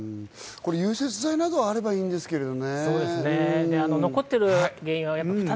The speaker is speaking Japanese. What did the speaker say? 融雪剤などあればいいんですけれどね。